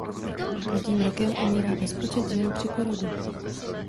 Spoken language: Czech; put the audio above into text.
Každým rokem umírá bezpočet žen při porodu.